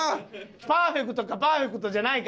パーフェクトかパーフェクトじゃないかやなもう。